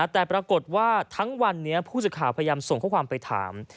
แต่ปรากฏว่าทั้งวันนี้ผู้สื่อข่าวพยายามส่งข้อความไปถาม